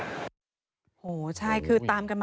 มันมีโอกาสเกิดอุบัติเหตุได้นะครับ